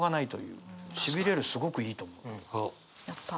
やった。